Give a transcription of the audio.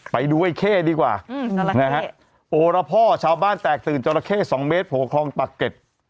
ไปดูไอ้เข้ดีกว่านะฮะโอละพ่อชาวบ้านแตกตื่นจราเข้สองเมตรโผล่คลองปากเก็ต